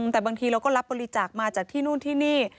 แต่บางทีเราก็รับบริจาคมาจากที่นู่นที่นี่